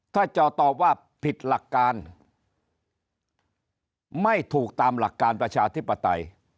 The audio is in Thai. ถ้าจอตอบว่าผิดหลักการไม่ถูกตามหลักการประชาธิปไตย